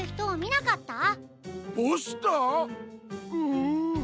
うん。